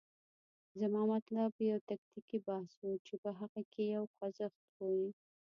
زما مطلب یو تکتیکي بحث و، چې په هغه کې یو خوځښت وي.